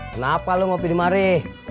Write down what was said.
kenapa lu ngopi di mare